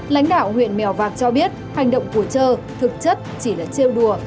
lãnh đạo huyện mèo vạc cho biết hành động của chơ thực chất chỉ là trêu đùa